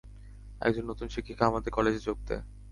একজন নতুন শিক্ষিকা আমাদের কলেজে যোগ দেয়।